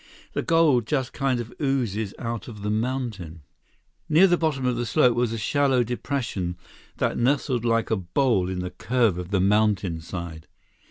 The gold just kind of oozes out of the mountain." Near the bottom of the slope was a shallow depression that nestled like a bowl in the curve of the mountainside.